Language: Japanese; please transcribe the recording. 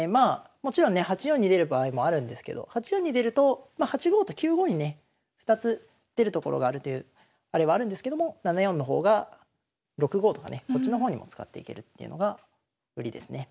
もちろんね８四に出る場合もあるんですけど８四に出るとまあ８五と９五にね２つ出る所があるというあれはあるんですけども７四の方が６五とかねこっちの方にも使っていけるっていうのが売りですね。